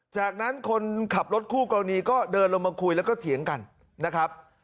จากนั้นคนขับรถคู่กรณีก็เดินลงมาคุยแล้วก็เถียงกันนะครับ